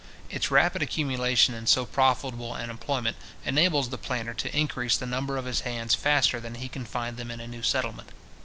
Its rapid accumulation in so profitable an employment enables the planter to increase the number of his hands faster than he can find them in a new settlement.